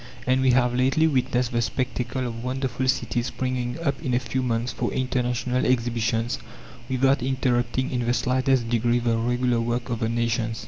And we have lately witnessed the spectacle of wonderful cities springing up in a few months for international exhibitions, without interrupting in the slightest degree the regular work of the nations.